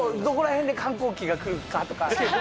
どこら辺で反抗期が来るかとか。